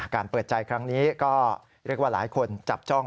เปิดใจครั้งนี้ก็เรียกว่าหลายคนจับจ้อง